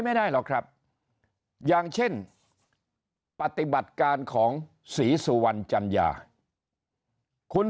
ไม่ได้หรอกครับอย่างเช่นปฏิบัติการของศรีสุวรรณจัญญาคุณ